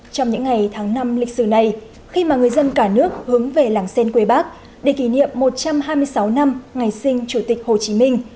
trong những ngày tháng năm lịch sử này khi mà người dân cả nước hướng về làng sen quê bác để kỷ niệm một trăm hai mươi sáu năm ngày sinh chủ tịch hồ chí minh